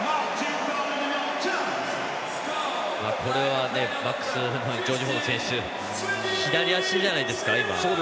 これはバックスのジョージ・フォード選手左足じゃないですか？